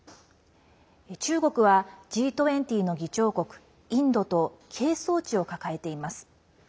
中国はＧ２０の議長国インドと係争地を抱えています。